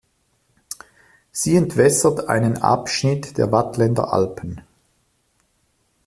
Sie entwässert einen Abschnitt der Waadtländer Alpen.